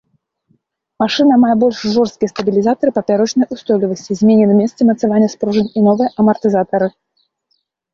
Машына мае больш жорсткія стабілізатары папярочнай устойлівасці, змененыя месцы мацавання спружын і новыя амартызатары.